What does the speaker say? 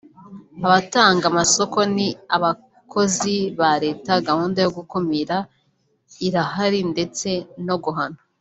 Abatanga amasoko ni abakozi ba leta gahunda yo gukumira irahari ndetse no guhana